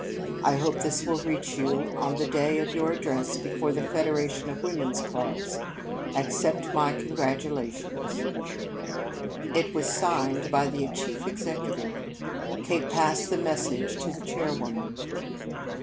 I hope this will reach you on the day of your address before the Federation of Women's Clubs. Accept my congratulations." It was signed by the chief executive. Kate passed the message to the chairwoman.